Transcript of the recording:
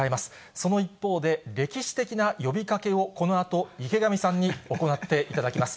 その一方で、歴史的な呼びかけをこのあと、池上さんに行っていただきます。